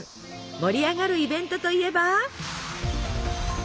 盛り上がるイベントといえば。